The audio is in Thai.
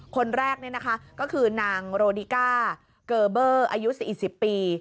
คนแรกนี่นะคะก็คือนางโรดิก้าเกอร์เบอร์อายุ๔๐ปี